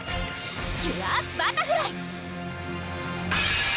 キュアバタフライ！